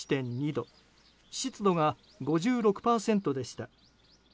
湿度が５６％でした。